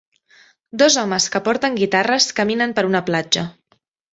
Dos homes, que porten guitarres, caminen per una platja